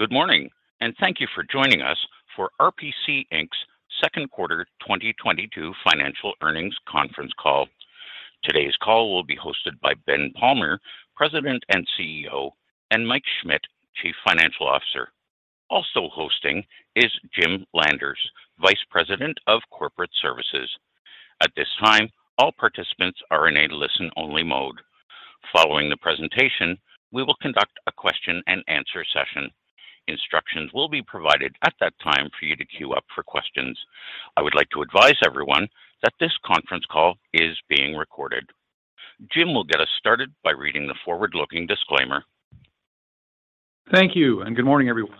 Good morning, and thank you for joining us for RPC, Inc.'s second quarter 2022 financial earnings conference call. Today's call will be hosted by Ben Palmer, President and CEO, and Mike Schmit, Chief Financial Officer. Also hosting is Jim Landers, Vice President of Corporate Services. At this time, all participants are in a listen-only mode. Following the presentation, we will conduct a question and answer session. Instructions will be provided at that time for you to queue up for questions. I would like to advise everyone that this conference call is being recorded. Jim will get us started by reading the forward-looking disclaimer. Thank you, and good morning, everyone.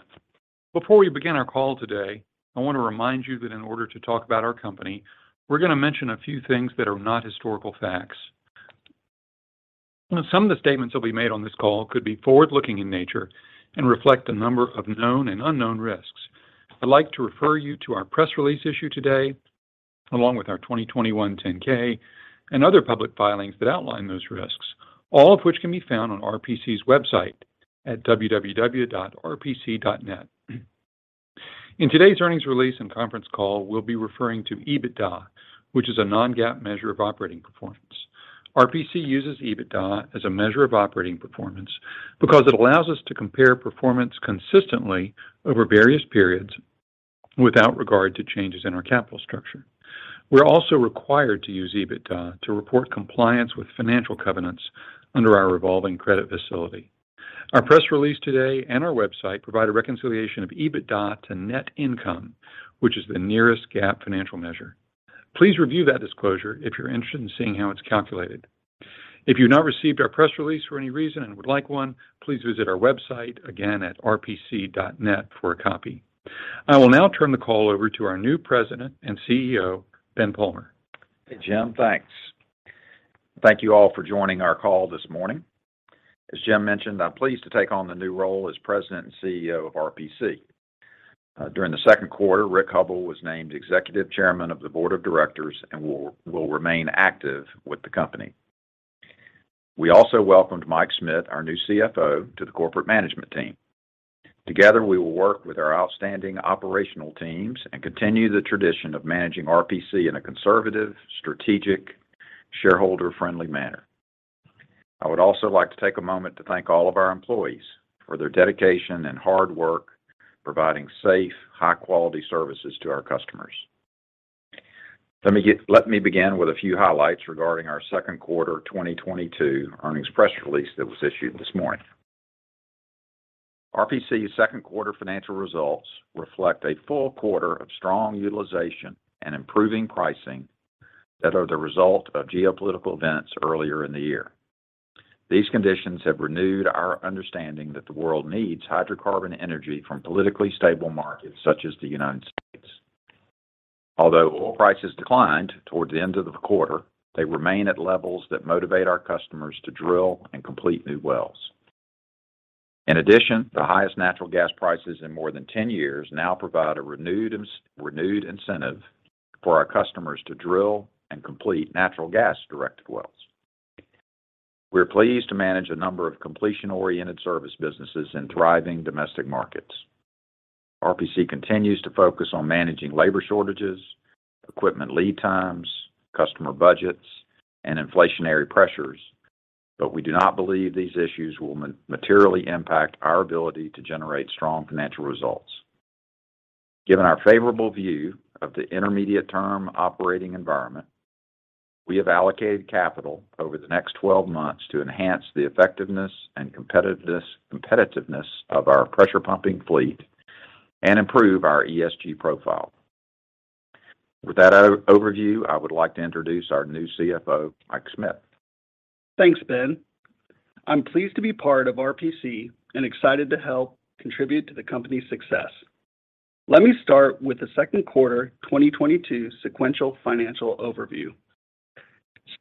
Before we begin our call today, I want to remind you that in order to talk about our company, we're gonna mention a few things that are not historical facts. Some of the statements that'll be made on this call could be forward-looking in nature and reflect a number of known and unknown risks. I'd like to refer you to our press release issued today, along with our 2021 10-K and other public filings that outline those risks, all of which can be found on RPC's website at www.rpc.net. In today's earnings release and conference call, we'll be referring to EBITDA, which is a non-GAAP measure of operating performance. RPC uses EBITDA as a measure of operating performance because it allows us to compare performance consistently over various periods without regard to changes in our capital structure. We're also required to use EBITDA to report compliance with financial covenants under our revolving credit facility. Our press release today and our website provide a reconciliation of EBITDA to net income, which is the nearest GAAP financial measure. Please review that disclosure if you're interested in seeing how it's calculated. If you've not received our press release for any reason and would like one, please visit our website again at rpc.net for a copy. I will now turn the call over to our new President and CEO, Ben Palmer. Hey, Jim. Thanks. Thank you all for joining our call this morning. As Jim mentioned, I'm pleased to take on the new role as President and CEO of RPC. During the second quarter, Rick Hubbell was named Executive Chairman of the Board of Directors and will remain active with the company. We also welcomed Mike Schmit, our new CFO, to the corporate management team. Together, we will work with our outstanding operational teams and continue the tradition of managing RPC in a conservative, strategic, shareholder-friendly manner. I would also like to take a moment to thank all of our employees for their dedication and hard work, providing safe, high-quality services to our customers. Let me begin with a few highlights regarding our second quarter 2022 earnings press release that was issued this morning. RPC's second quarter financial results reflect a full quarter of strong utilization and improving pricing that are the result of geopolitical events earlier in the year. These conditions have renewed our understanding that the world needs hydrocarbon energy from politically stable markets such as the United States. Although oil prices declined towards the end of the quarter, they remain at levels that motivate our customers to drill and complete new wells. In addition, the highest natural gas prices in more than 10 years now provide a renewed incentive for our customers to drill and complete natural gas-directed wells. We're pleased to manage a number of completion-oriented service businesses in thriving domestic markets. RPC continues to focus on managing labor shortages, equipment lead times, customer budgets, and inflationary pressures, but we do not believe these issues will materially impact our ability to generate strong financial results. Given our favorable view of the intermediate-term operating environment, we have allocated capital over the next 12 months to enhance the effectiveness and competitiveness of our pressure pumping fleet and improve our ESG profile. With that overview, I would like to introduce our new CFO, Mike Schmit. Thanks, Ben. I'm pleased to be part of RPC and excited to help contribute to the company's success. Let me start with the second quarter 2022 sequential financial overview.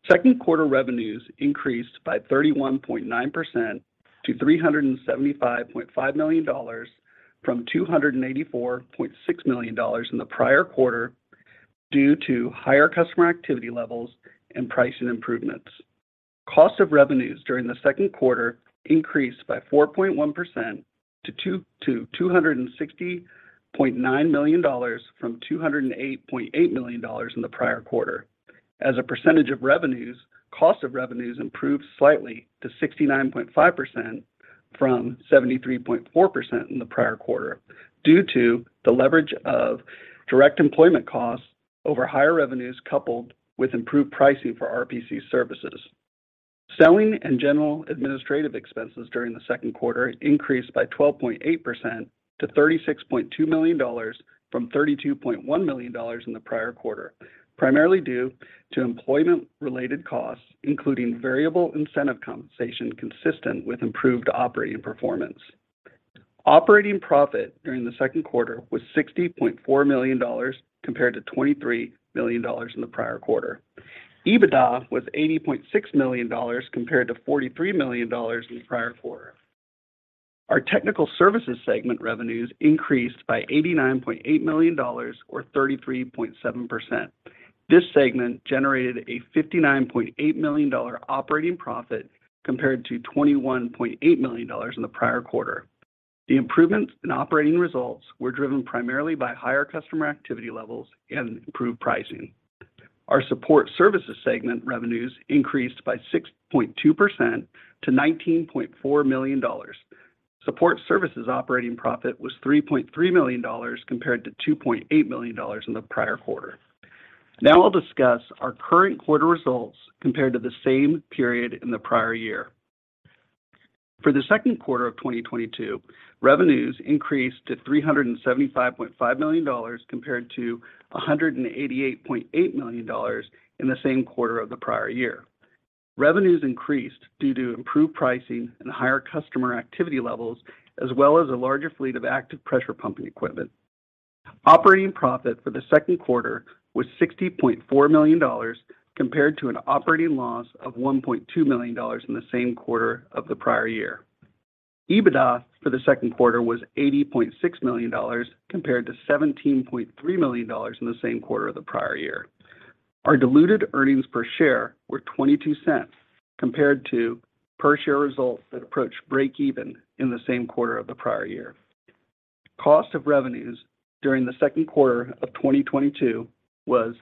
Second quarter revenues increased by 31.9% to $375.5 million from $284.6 million in the prior quarter due to higher customer activity levels and pricing improvements. Cost of revenues during the second quarter increased by 4.1% to $260.9 million from $208.8 million in the prior quarter. As a percentage of revenues, cost of revenues improved slightly to 69.5% from 73.4% in the prior quarter due to the leverage of direct employment costs over higher revenues coupled with improved pricing for RPC services. Selling and general administrative expenses during the second quarter increased by 12.8% to $36.2 million from $32.1 million in the prior quarter, primarily due to employment-related costs, including variable incentive compensation consistent with improved operating performance. Operating profit during the second quarter was $60.4 million compared to $23 million in the prior quarter. EBITDA was $80.6 million compared to $43 million in the prior quarter. Our technical services segment revenues increased by $89.8 million or 33.7%. This segment generated a $59.8 million operating profit compared to $21.8 million in the prior quarter. The improvements in operating results were driven primarily by higher customer activity levels and improved pricing. Our Support Services segment revenues increased by 6.2% to $19.4 million. Support Services operating profit was $3.3 million compared to $2.8 million in the prior quarter. Now I'll discuss our current quarter results compared to the same period in the prior year. For the second quarter of 2022, revenues increased to $375.5 million compared to $188.8 million in the same quarter of the prior year. Revenues increased due to improved pricing and higher customer activity levels, as well as a larger fleet of active pressure pumping equipment. Operating profit for the second quarter was $60.4 million compared to an operating loss of $1.2 million in the same quarter of the prior year. EBITDA for the second quarter was $80.6 million compared to $17.3 million in the same quarter of the prior year. Our diluted earnings per share were $0.22 compared to per share results that approached breakeven in the same quarter of the prior year. Cost of revenues during the second quarter of 2022 was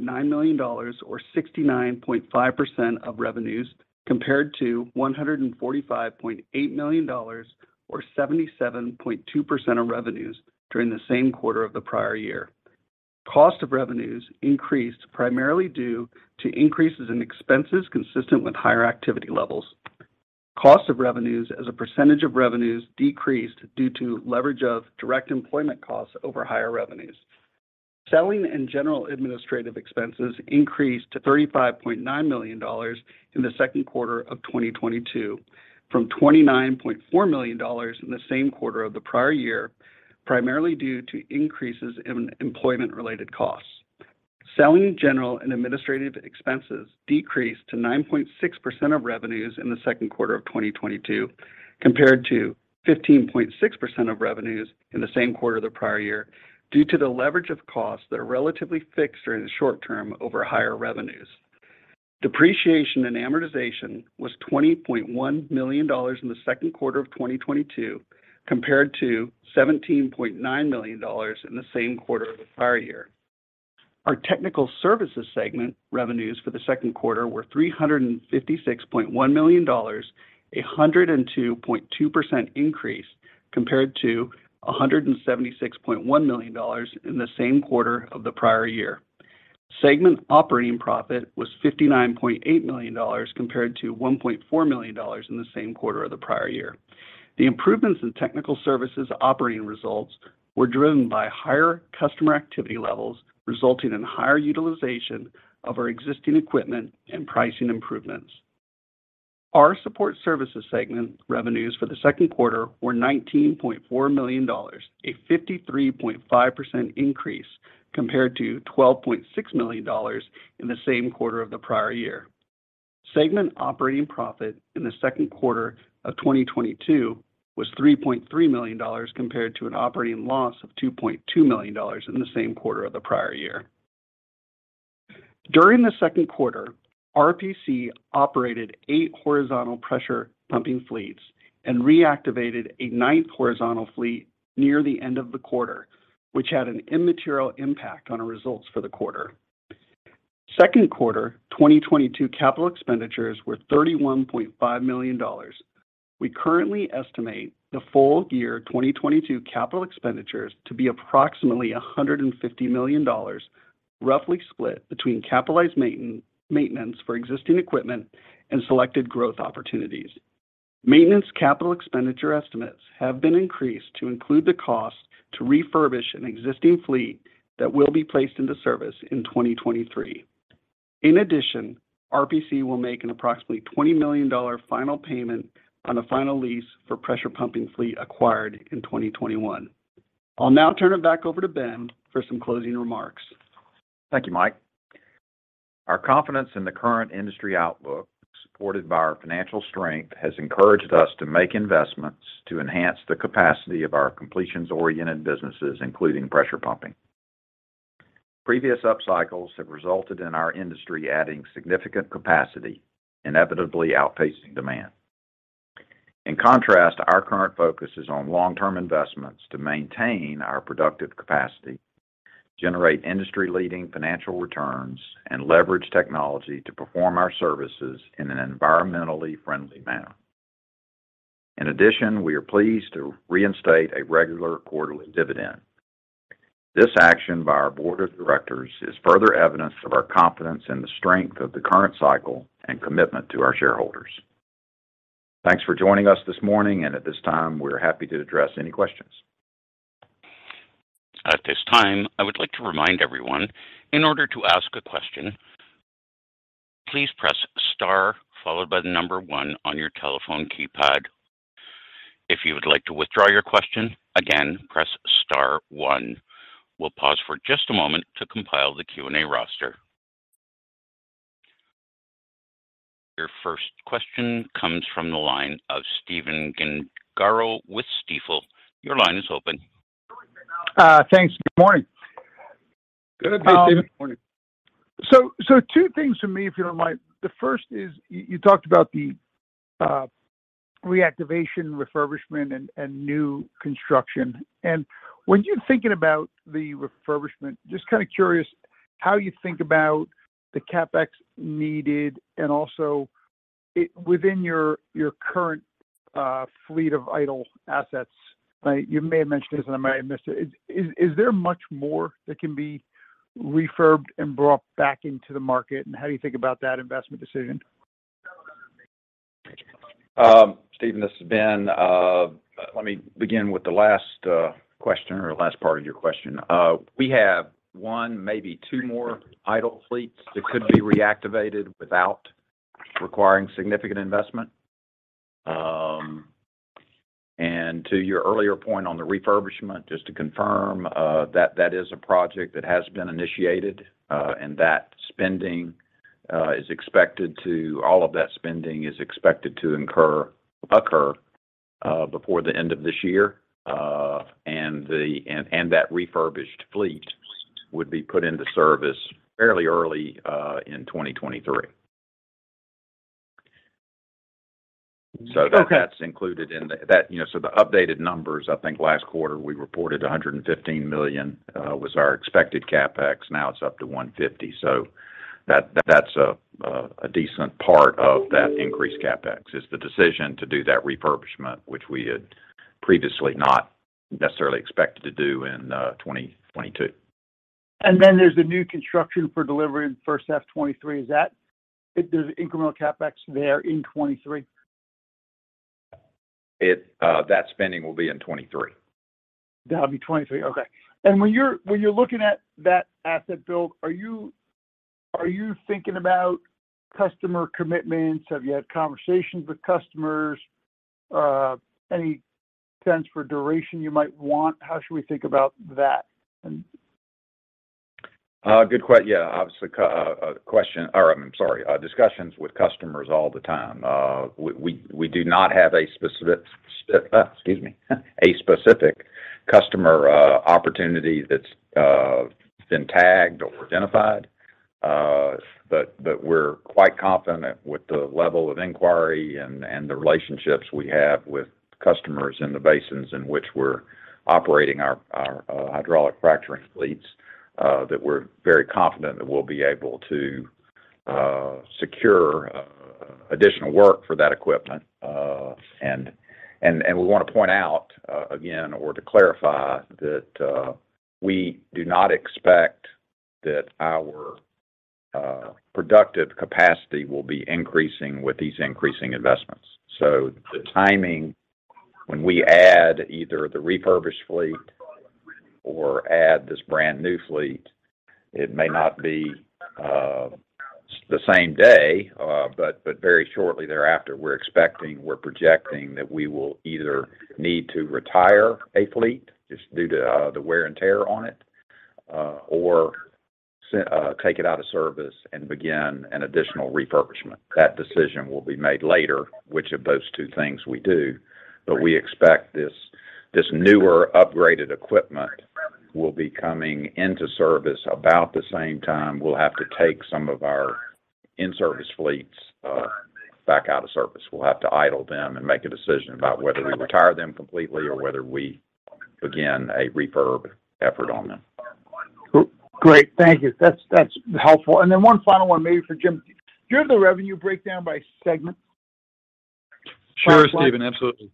$260.9 million, or 69.5% of revenues, compared to $145.8 million or 77.2% of revenues during the same quarter of the prior year. Cost of revenues increased primarily due to increases in expenses consistent with higher activity levels. Cost of revenues as a percentage of revenues decreased due to leverage of direct employment costs over higher revenues. Selling and general administrative expenses increased to $35.9 million in the second quarter of 2022 from $29.4 million in the same quarter of the prior year, primarily due to increases in employment related costs. Selling, general and administrative expenses decreased to 9.6% of revenues in the second quarter of 2022, compared to 15.6% of revenues in the same quarter of the prior year due to the leverage of costs that are relatively fixed during the short term over higher revenues. Depreciation and amortization was $20.1 million in the second quarter of 2022 compared to $17.9 million in the same quarter of the prior year. Our Technical Services segment revenues for the second quarter were $356.1 million, a 102.2% increase compared to $176.1 million in the same quarter of the prior year. Segment operating profit was $59.8 million compared to $1.4 million in the same quarter of the prior year. The improvements in Technical Services operating results were driven by higher customer activity levels, resulting in higher utilization of our existing equipment and pricing improvements. Our Support Services segment revenues for the second quarter were $19.4 million, a 53.5% increase compared to $12.6 million in the same quarter of the prior year. Segment operating profit in the second quarter of 2022 was $3.3 million compared to an operating loss of $2.2 million in the same quarter of the prior year. During the second quarter, RPC operated eight horizontal pressure pumping fleets and reactivated a ninth horizontal fleet near the end of the quarter, which had an immaterial impact on our results for the quarter. Second quarter 2022 capital expenditures were $31.5 million. We currently estimate the full year 2022 capital expenditures to be approximately $150 million, roughly split between capitalized maintenance for existing equipment and selected growth opportunities. Maintenance capital expenditure estimates have been increased to include the cost to refurbish an existing fleet that will be placed into service in 2023. In addition, RPC will make an approximately $20 million final payment on the final lease for pressure pumping fleet acquired in 2021. I'll now turn it back over to Ben for some closing remarks. Thank you, Mike. Our confidence in the current industry outlook, supported by our financial strength, has encouraged us to make investments to enhance the capacity of our completions-oriented businesses, including pressure pumping. Previous upcycles have resulted in our industry adding significant capacity, inevitably outpacing demand. In contrast, our current focus is on long-term investments to maintain our productive capacity, generate industry-leading financial returns, and leverage technology to perform our services in an environmentally friendly manner. In addition, we are pleased to reinstate a regular quarterly dividend. This action by our board of directors is further evidence of our confidence in the strength of the current cycle and commitment to our shareholders. Thanks for joining us this morning, and at this time we're happy to address any questions. At this time, I would like to remind everyone, in order to ask a question, please press star followed by the number one on your telephone keypad. If you would like to withdraw your question, again, press star one. We'll pause for just a moment to compile the Q&A roster. Question comes from the line of Stephen Gengaro with Stifel. Your line is open. Thanks. Good morning. Good. Thanks, Stephen. Morning. Two things for me, if you don't mind. The first is you talked about the reactivation refurbishment and new construction, and when you're thinking about the refurbishment, just kinda curious how you think about the CapEx needed and also within your current fleet of idle assets, right? You may have mentioned this, and I might have missed it. Is there much more that can be refurbed and brought back into the market? How do you think about that investment decision? Stephen, this is Ben. Let me begin with the last question or last part of your question. We have one, maybe two more idle fleets that could be reactivated without requiring significant investment. To your earlier point on the refurbishment, just to confirm, that is a project that has been initiated, and that spending is expected to occur before the end of this year. That refurbished fleet would be put into service fairly early in 2023. Okay. The updated numbers, I think last quarter we reported $115 million was our expected CapEx. Now it's up to $150. That's a decent part of that increased CapEx. It's the decision to do that refurbishment, which we had previously not necessarily expected to do in 2022. There's the new construction for delivery in the first half 2023. Is there incremental CapEx there in 2023? That spending will be in 2023. That'll be 23. Okay. When you're looking at that asset build, are you thinking about customer commitments? Have you had conversations with customers? Any sense for duration you might want? How should we think about that? Obviously, discussions with customers all the time. We do not have a specific customer opportunity that's been tagged or identified. We're quite confident with the level of inquiry and the relationships we have with customers in the basins in which we're operating our hydraulic fracturing fleets, that we're very confident that we'll be able to secure additional work for that equipment. We want to point out again, or to clarify that, we do not expect that our productive capacity will be increasing with these increasing investments. The timing when we add either the refurbished fleet or add this brand-new fleet, it may not be the same day, but very shortly thereafter, we're expecting, we're projecting that we will either need to retire a fleet just due to the wear and tear on it, or take it out of service and begin an additional refurbishment. That decision will be made later, which of those two things we do. Right. We expect this newer, upgraded equipment will be coming into service about the same time we'll have to take some of our in-service fleets back out of service. We'll have to idle them and make a decision about whether we retire them completely or whether we begin a refurb effort on them. Cool. Great. Thank you. That's helpful. One final one maybe for Jim. Do you have the revenue breakdown by segment? Sure, Stephen. Absolutely.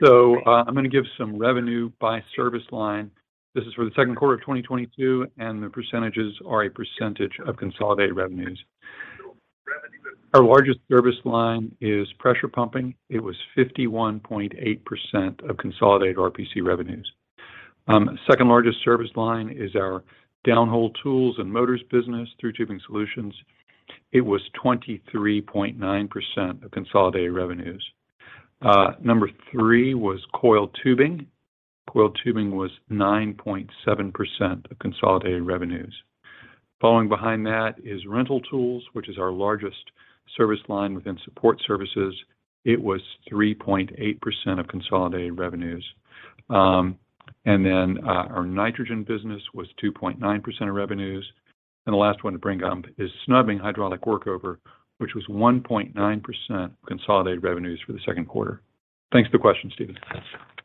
Thanks. Yeah. I'm gonna give some revenue by service line. This is for the second quarter of 2022, and the percentages are a percentage of consolidated revenues. Our largest service line is pressure pumping. It was 51.8% of consolidated RPC revenues. Second largest service line is our downhole tools and motors business Thru Tubing Solutions. It was 23.9% of consolidated revenues. Number three was coiled tubing. Coiled tubing was 9.7% of consolidated revenues. Following behind that is rental tools, which is our largest service line within support services. It was 3.8% of consolidated revenues. Our nitrogen business was 2.9% of revenues. The last one to bring up is snubbing hydraulic workover, which was 1.9% of consolidated revenues for the second quarter. Thanks for the question, Stephen.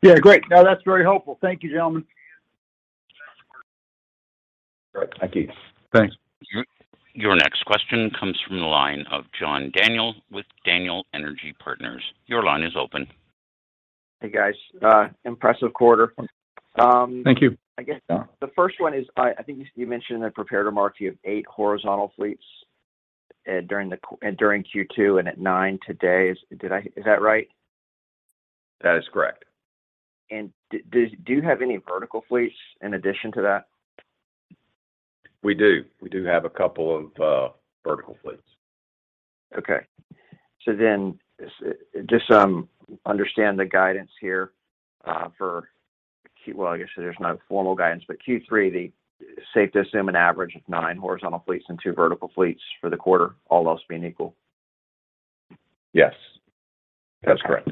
Yeah, great. No, that's very helpful. Thank you, gentlemen. All right. Thank you. Thanks. Your next question comes from the line of John Daniel with Daniel Energy Partners. Your line is open. Hey, guys. Impressive quarter. Thank you. I guess the first one is, I think you mentioned in the prepared remarks you have 8 horizontal fleets during Q2, and at 9 today. Is that right? That is correct. Do you have any vertical fleets in addition to that? We do. We do have a couple of vertical fleets. Just understand the guidance here for Q3. Well, I guess there's no formal guidance, but Q3, safe to assume an average of nine horizontal fleets and two vertical fleets for the quarter, all else being equal? Yes. That's correct.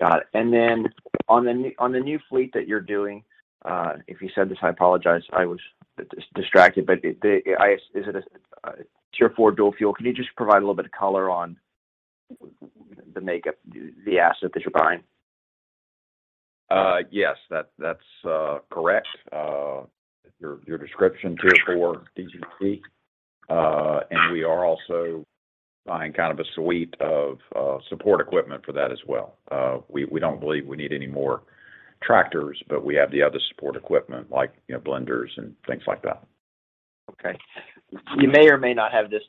Got it. On the new fleet that you're doing, if you said this, I apologize, I was distracted, but is it a Tier 4 dual fuel? Can you just provide a little bit of color on the makeup, the asset that you're buying? Yes. That's correct. Your description Tier 4 DGB. We are also buying kind of a suite of support equipment for that as well. We don't believe we need any more tractors, but we have the other support equipment like, you know, blenders and things like that. Okay. You may or may not have this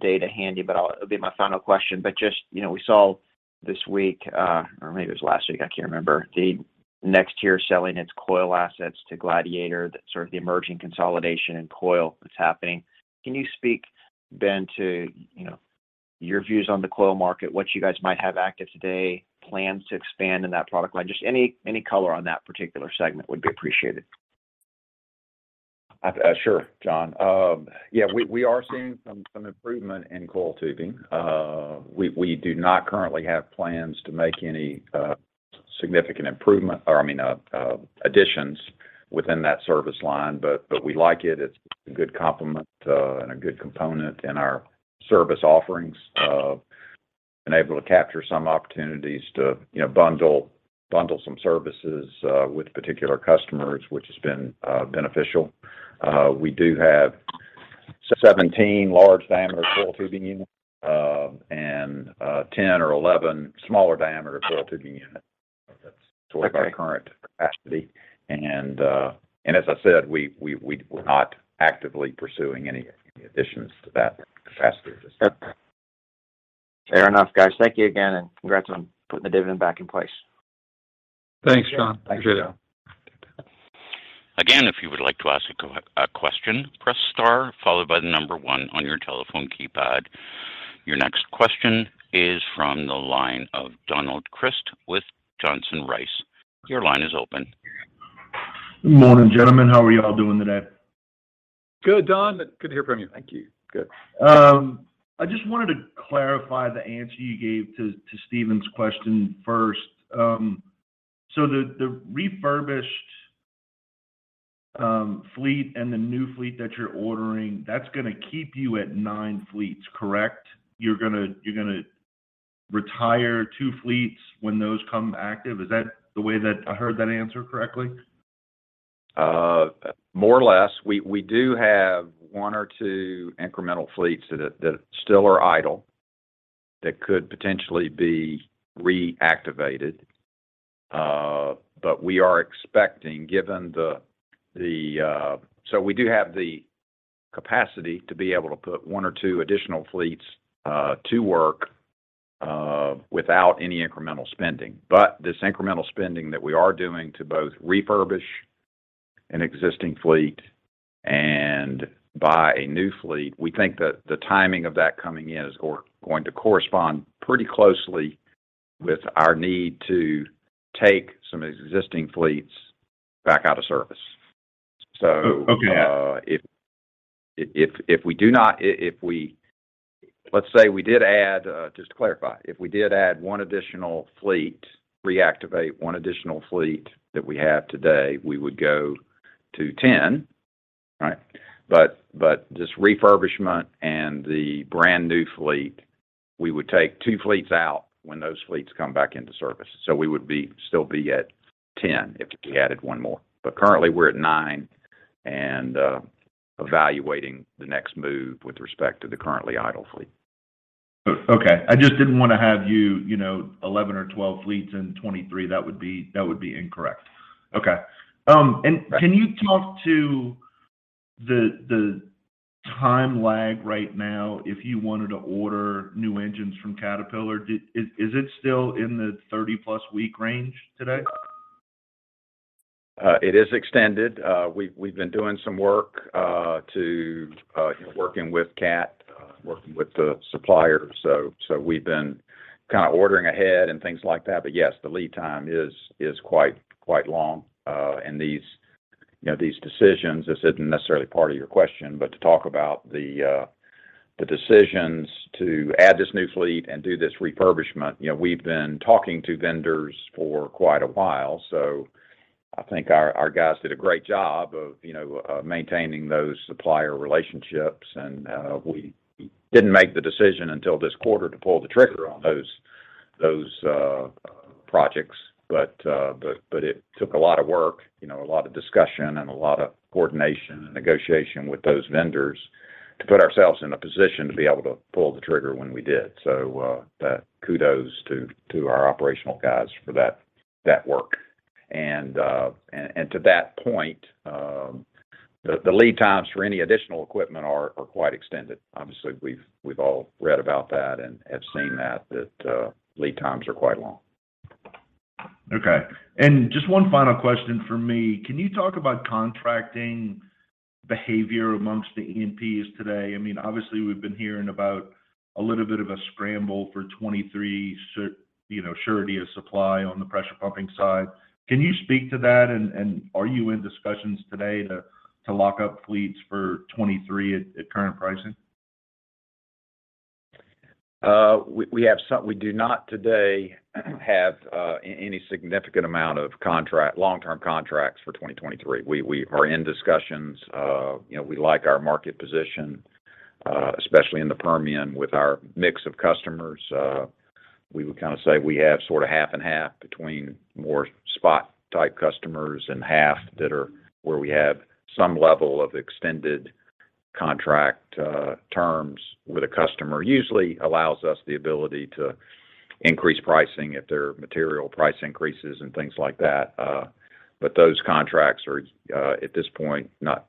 data handy, but it'll be my final question. Just, you know, we saw this week or maybe it was last week, I can't remember, the NexTier selling its coil assets to Gladiator, that sort of the emerging consolidation in coil that's happening. Can you speak, Ben, to, you know, your views on the coil market, what you guys might have active today, plans to expand in that product line? Just any color on that particular segment would be appreciated. Sure, John. Yeah, we are seeing some improvement in coiled tubing. We do not currently have plans to make any significant additions within that service line, but we like it. It's a good complement and a good component in our service offerings. We have been able to capture some opportunities to, you know, bundle some services with particular customers, which has been beneficial. We do have 17 large diameter coiled tubing units and 10 or 11 smaller diameter coiled tubing units. That's sort of our current capacity. As I said, we're not actively pursuing any additions to that capacity at this time. Fair enough, guys. Thank you again, and congrats on putting the dividend back in place. Thanks, John. Appreciate it. Again, if you would like to ask a question, press star followed by the number one on your telephone keypad. Your next question is from the line of Don Crist with Johnson Rice. Your line is open. Morning, gentlemen. How are you all doing today? Good, Don. Good to hear from you. Thank you. Good. I just wanted to clarify the answer you gave to Stephen's question first. The refurbished fleet and the new fleet that you're ordering, that's gonna keep you at nine fleets, correct? You're gonna retire two fleets when those come active? Is that the way that I heard that answer correctly? More or less. We do have one or two incremental fleets that still are idle that could potentially be reactivated. We do have the capacity to be able to put one or two additional fleets to work without any incremental spending. This incremental spending that we are doing to both refurbish an existing fleet and buy a new fleet, we think that the timing of that coming in is going to correspond pretty closely with our need to take some existing fleets back out of service. Okay. Let's say we did add, just to clarify, if we did add one additional fleet, reactivate one additional fleet that we have today, we would go to 10. Right. This refurbishment and the brand new fleet, we would take two fleets out when those fleets come back into service. We would still be at 10 if we added one more. Currently we're at nine and evaluating the next move with respect to the currently idle fleet. Okay. I just didn't want to have you know, 11 or 12 fleets in 2023. That would be incorrect. Okay. Can you talk to the time lag right now if you wanted to order new engines from Caterpillar? Is it still in the 30+ week range today? It is extended. We've been doing some work you know working with Cat working with the suppliers. We've been kind of ordering ahead and things like that. Yes, the lead time is quite long. These you know these decisions, this isn't necessarily part of your question, but to talk about the decisions to add this new fleet and do this refurbishment. You know, we've been talking to vendors for quite a while, so I think our guys did a great job of you know maintaining those supplier relationships. We didn't make the decision until this quarter to pull the trigger on those projects. It took a lot of work, you know, a lot of discussion and a lot of coordination and negotiation with those vendors to put ourselves in a position to be able to pull the trigger when we did. Kudos to our operational guys for that work. To that point, the lead times for any additional equipment are quite extended. Obviously, we've all read about that and have seen that lead times are quite long. Okay. Just one final question from me. Can you talk about contracting behavior amongst the E&Ps today? I mean, obviously, we've been hearing about a little bit of a scramble for 2023, you know, surety of supply on the pressure pumping side. Can you speak to that, and are you in discussions today to lock up fleets for 2023 at current pricing? We do not today have any significant amount of long-term contracts for 2023. We are in discussions. You know, we like our market position, especially in the Permian with our mix of customers. We would kind of say we have sort of half and half between more spot-type customers and half that are where we have some level of extended contract terms with a customer. Usually allows us the ability to increase pricing if there are material price increases and things like that. Those contracts are, at this point, not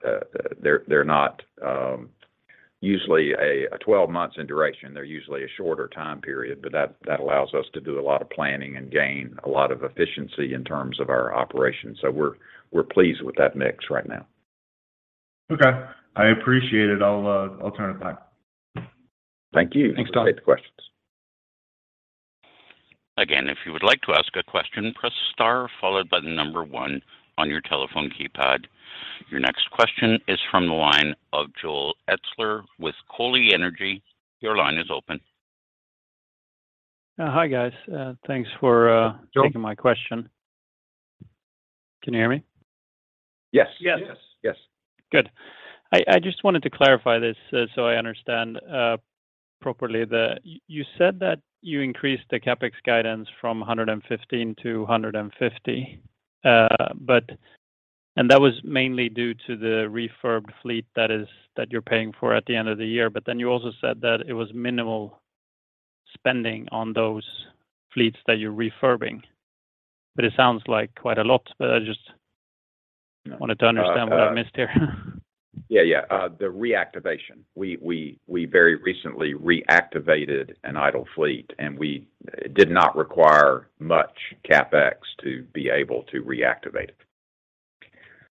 usually a 12 months in duration. They're usually a shorter time period, but that allows us to do a lot of planning and gain a lot of efficiency in terms of our operations. We're pleased with that mix right now. Okay. I appreciate it. I'll turn it back. Thank you. Thanks, Todd. Appreciate the questions. Again, if you would like to ask a question, press star followed by the number one on your telephone keypad. Your next question is from the line of Joel Etzler with Coeli Energy. Your line is open. Hi, guys. Thanks for, Joel taking my question. Can you hear me? Yes. Yes. Yes. Good. I just wanted to clarify this, so I understand properly. You said that you increased the CapEx guidance from $115 - $150. And that was mainly due to the refurb fleet that you're paying for at the end of the year. You also said that it was minimal spending on those fleets that you're refurbing. It sounds like quite a lot, but I just wanted to understand what I missed here. Yeah, yeah. The reactivation. We very recently reactivated an idle fleet, and we did not require much CapEx to be able to reactivate it.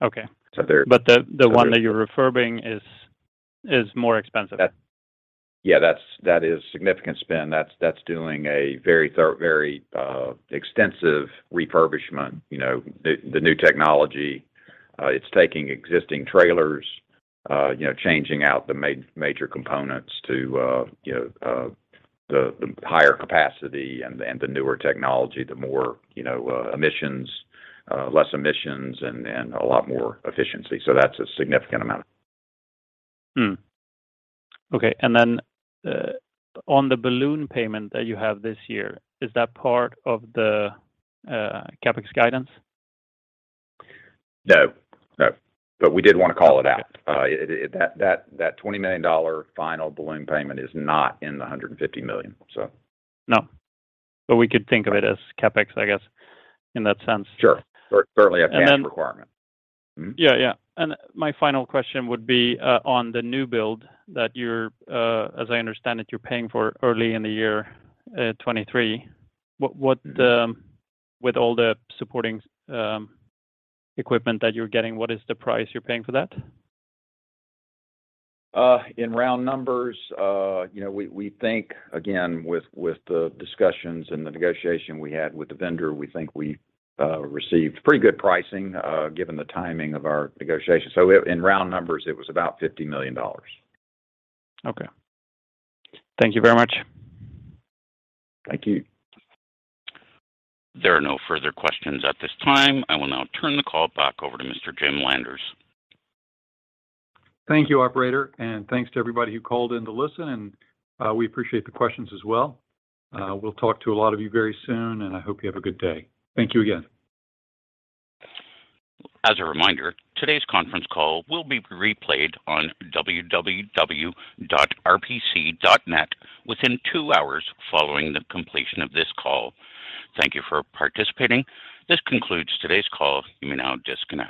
Okay. So there- The one that you're refurbing is more expensive. Yeah, that's significant spend. That's doing a very extensive refurbishment. You know, the new technology, it's taking existing trailers, you know, changing out the major components to the higher capacity and the newer technology, less emissions and a lot more efficiency. That's a significant amount. On the balloon payment that you have this year, is that part of the CapEx guidance? No. No. We did wanna call it out. That $20 million final balloon payment is not in the $150 million, so. No. We could think of it as CapEx, I guess, in that sense. Sure. Certainly a cash requirement. And then- Hmm? Yeah, yeah. My final question would be on the new build that, as I understand it, you're paying for early in the year 2023. With all the supporting equipment that you're getting, what is the price you're paying for that? In round numbers, you know, we think, again, with the discussions and the negotiation we had with the vendor, we think we received pretty good pricing, given the timing of our negotiation. In round numbers, it was about $50 million. Okay. Thank you very much. Thank you. There are no further questions at this time. I will now turn the call back over to Mr. Jim Landers. Thank you, operator, and thanks to everybody who called in to listen, and we appreciate the questions as well. We'll talk to a lot of you very soon, and I hope you have a good day. Thank you again. As a reminder, today's conference call will be replayed on www.rpc.net within two hours following the completion of this call. Thank you for participating. This concludes today's call. You may now disconnect.